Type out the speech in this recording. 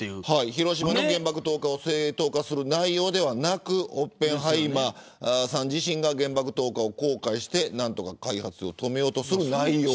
広島の原爆投下を正当化する内容ではなくオッペンハイマーさん自身が原爆投下を後悔して開発を止めようとする内容。